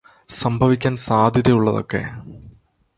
സംഭവിക്കാന് സാധ്യതയുള്ളതൊക്കെ